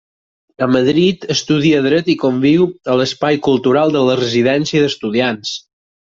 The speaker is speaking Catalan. En Madrid estudia dret i conviu a l'espai cultural de la Residència d'Estudiants.